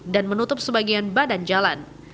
dan menutup sebagian badan jalan